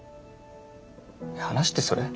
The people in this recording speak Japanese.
話ってそれ？